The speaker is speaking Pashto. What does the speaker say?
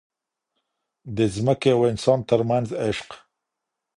د ځمکې او انسان ترمنځ عشق.